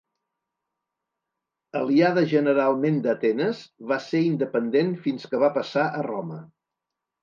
Aliada generalment d'Atenes, va ser independent fins que va passar a Roma.